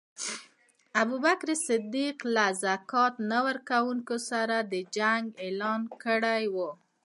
ابوبکر صدیق له ذکات نه ورکونکو سره د جنګ اعلان کړی وو.